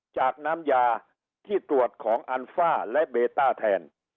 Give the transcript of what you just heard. จากน้ำยาที่ตรวจของอัลฟ่าและเบต้าแทน